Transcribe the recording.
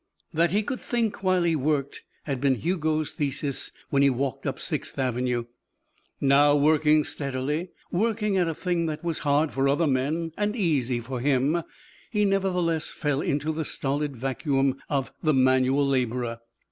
That he could think while he worked had been Hugo's thesis when he walked up Sixth Avenue. Now, working steadily, working at a thing that was hard for other men and easy for him, he nevertheless fell into the stolid vacuum of the manual labourer.